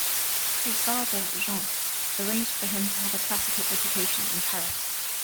His father, Jean, arranged for him to have a classical education in Paris.